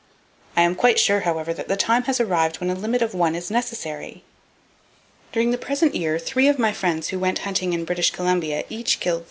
I am quite sure, however, that the time has already arrived when a limit of one is necessary. During the present year three of my friends who went hunting in British Columbia, each killed 3 grizzly bears!